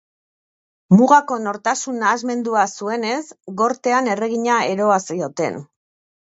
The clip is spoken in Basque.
Mugako nortasun-nahasmendua zuenez, Gortean Erregina Eroa zioten.